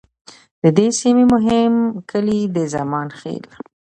د دې سیمې مهم کلي د زمان خیل،